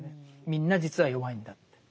みんな実は弱いんだって。